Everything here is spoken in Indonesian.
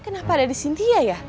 kenapa ada di cynthia ya